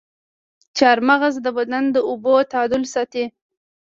چارمغز د بدن د اوبو تعادل ساتي.